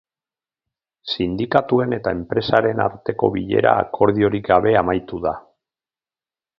Sindikatuen eta enpresaren arteko bilera akordiorik gabe amaitu da.